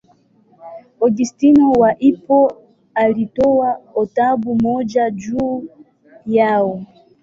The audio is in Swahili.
Augustino wa Hippo alitoa hotuba moja juu yao.